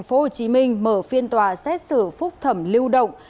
phố hồ chí minh mở phiên tòa xét xử phúc thẩm lưu động